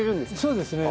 そうですね。